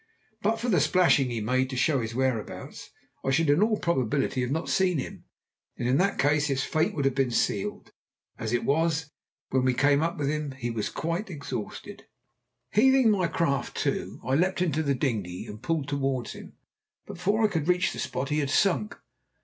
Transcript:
But for the splashing he made to show his whereabouts, I should in all probability not have seen him, and in that case his fate would have been sealed. As it was, when we came up with him he was quite exhausted. Heaving my craft to, I leapt into the dinghy, and pulled towards him, but before I could reach the spot he had sunk.